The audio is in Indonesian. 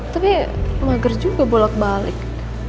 tapi magel juga bolak balik